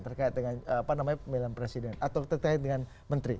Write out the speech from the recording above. terkait dengan apa namanya pemilihan presiden atau terkait dengan menteri